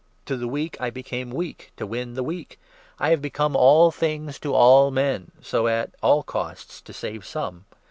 To the weak I became weak, 22 to win the weak. I have become all things to all men, so as at all costs to save some.